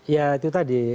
ya itu tadi